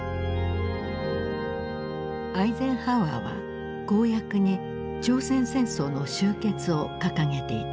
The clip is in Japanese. アイゼンハワーは公約に朝鮮戦争の終結を掲げていた。